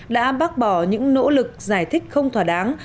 đã bác bỏ những nỗ lực giải thích không thỏa đáng